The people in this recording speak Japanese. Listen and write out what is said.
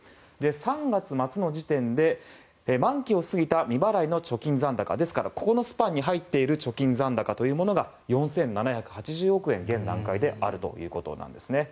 ３月末の時点で満期を過ぎた未払いの貯金残高ですから、ここのスパンに入っている貯金残高が４７８０億円、現段階であるということなんですね。